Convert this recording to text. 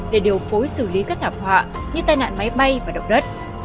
để điều phối xử lý các thảm họa như tai nạn máy bay và động đất